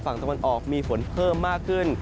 ฝั่งตะวันออกมีฝนเพิ่มมากขึ้น